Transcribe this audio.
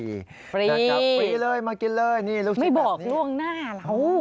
ฟรีนะครับฟรีเลยมากินเลยนี่ลูกชิ้นแบบนี้ไม่บอกล่วงหน้าแล้ว